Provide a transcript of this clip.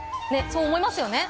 そう思いますよね？